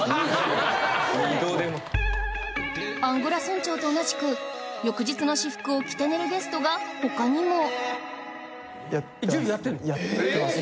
・二度手間・アンゴラ村長と同じく翌日の私服を着て寝るゲストが他にもやってます。